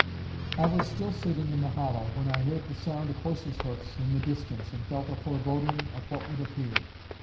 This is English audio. I was still sitting in the hollow, when I heard the sound of horses' hoofs in the distance, and felt a foreboding of what would appear.